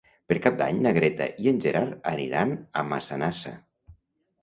Per Cap d'Any na Greta i en Gerard aniran a Massanassa.